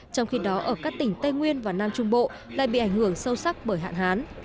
trong khi đó ở các tỉnh tây nguyên và nam trung bộ lại bị ảnh hưởng sâu sắc bởi hạn hán